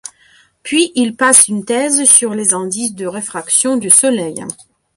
Puis il passe une thèse sur les indices de réfraction du soleil.